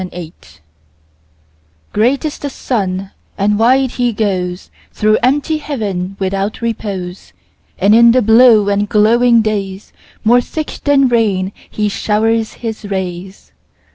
4. Summer Sun GREAT is the sun, and wide he goesThrough empty heaven without repose; And in the blue and glowing daysMore thick than rain he showers his rays.